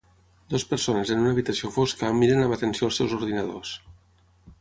Dues persones en una habitació fosca miren amb atenció els seus ordinadors.